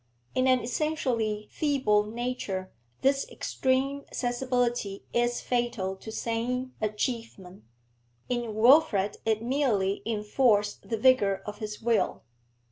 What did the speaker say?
In an essentially feeble nature this extreme sensibility is fatal to sane achievement; in Wilfrid it merely enforced the vigour of his will.